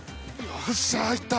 よっしゃー！いった？